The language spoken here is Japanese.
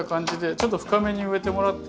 ちょっと深めに植えてもらって。